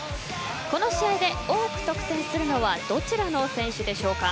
この試合で得点を多く取るのはどちらの選手でしょうか？